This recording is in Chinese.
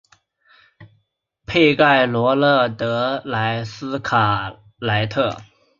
佩盖罗勒德莱斯卡莱特。